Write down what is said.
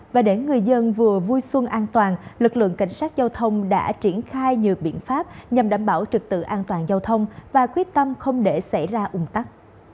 và để người dân vừa vui xuân an toàn lực lượng cảnh sát giao thông đã triển khai nhiều biện pháp nhằm đảm bảo trực tự an toàn giao thông và quyết tâm không để xảy ra ủng tắc